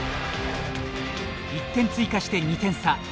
１点追加して、２点差。